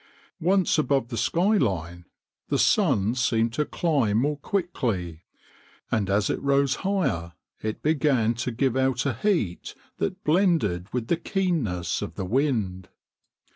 Once above the sky line, the sun seemed to climb more quickly, and as it rose higher it began 79 80 ON THE BKIGHTON EOAD to give out a heat that blended with the keenness of the wind.